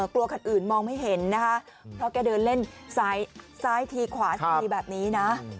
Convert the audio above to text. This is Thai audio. คันอื่นมองไม่เห็นนะคะเพราะแกเดินเล่นซ้ายทีขวาทีแบบนี้นะ